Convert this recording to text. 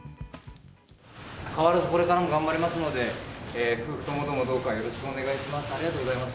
変わらずこれからも頑張りますので、夫婦ともども、どうかよろしくお願いいたします。